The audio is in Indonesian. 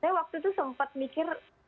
saya waktu itu sempat mikir